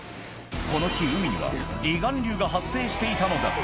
この日海には離岸流が発生していたのだ